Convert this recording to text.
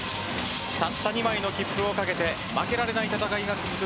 たった２枚の切符をかけて負けられない戦いが続く